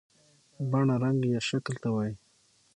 بڼه رنګ یا شکل ته وایي.